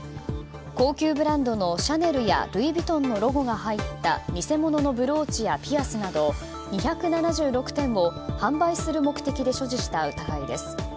高級ブランドのシャネルやルイ・ヴィトンのロゴが入った偽物のブローチやピアスなど、２７６点を販売する目的で所持した疑いです。